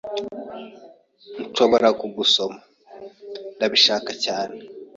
"Nshobora kugusoma?" "Ndabishaka cyane."